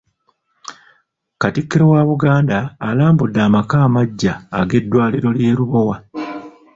Katikkiro wa Buganda alambudde amaka amaggya ag'eddwaliro ly'e Lubowa.